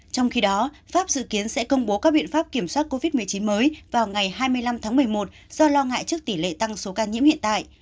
trong khi đó pháp dự kiến sẽ công bố các biện pháp kiểm soát covid một mươi chín mới vào ngày hai mươi năm tháng một mươi một do lo ngại trước tỷ lệ tăng số ca nhiễm hiện tại